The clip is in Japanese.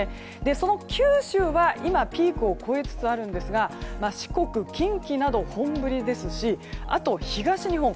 その九州は今ピークを越えつつあるんですが四国、近畿など本降りですしあと東日本。